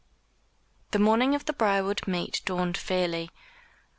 The morning of the Briarwood Meet dawned fairly.